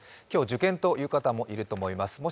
今日受験という方もいると思います。